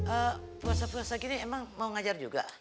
eh puasa puasa gini emang mau ngajar juga